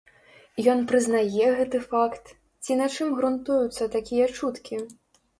Ён прызнае гэты факт, ці на чым грунтуюцца такія чуткі?